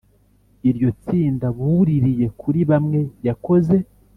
iryo tsinda buririye kuri bamwe yakoze